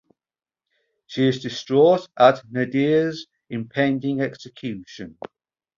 She is distraught at Nadir’s impending execution.